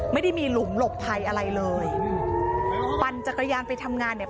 ไม่ได้มีหลุมหลบภัยอะไรเลยปั่นจักรยานไปทำงานเนี่ย